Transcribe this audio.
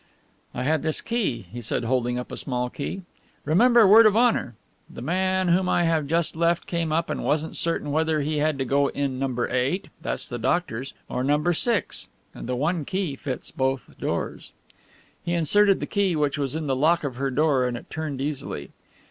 "I had this key," he said holding up a small key, "remember, word of honour! The man whom I have just left came up and wasn't certain whether he had to go in No. 8, that's the doctor's, or No. 6 and the one key fits both doors!" He inserted the key which was in the lock of her door and it turned easily.